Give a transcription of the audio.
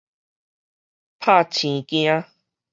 驚嚇到